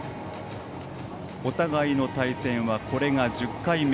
お互いの対戦はこれが１０回目。